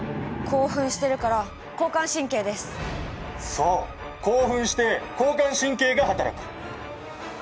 そう興奮して交感神経がはたらく。